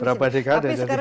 berapa dekade dari presenter